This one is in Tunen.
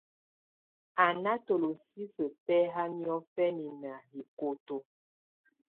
Á nà tolosisǝ́ bɛ̀haà niɔ̀fɛna nà hikoto.